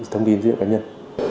thông tin dữ liệu cá nhân